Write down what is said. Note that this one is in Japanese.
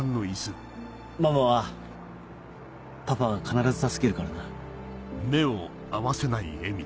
ママはパパが必ず助けるからな。